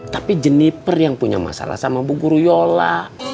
tapi jeniper yang punya masalah sama bu guruyola